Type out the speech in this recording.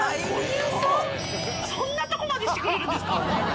そんなとこまでしてくれるんですか？